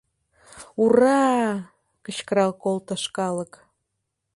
— Ура-а! — кычкырал колтыш калык.